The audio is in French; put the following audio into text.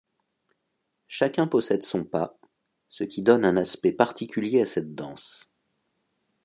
Chacun possède son pas, ce qui donne un aspect particulier à cette danse.